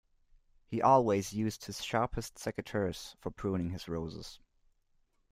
He always used his sharpest secateurs for pruning his roses